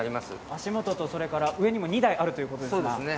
足元と、上にも２台あるということですね。